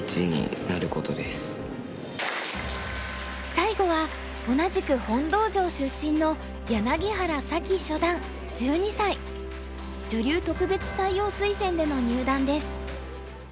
最後は同じく洪道場出身の女流特別採用推薦での入段です。